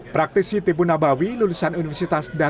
praktisi tibu nabawi lulusan universitas danau